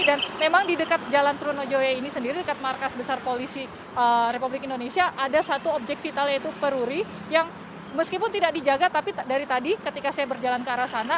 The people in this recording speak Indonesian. dan memang di dekat jalan trunojoya ini sendiri dekat markas besar polisi republik indonesia ada satu objek vital yaitu peruri yang meskipun tidak dijaga tapi dari tadi ketika saya berjalan ke arah sana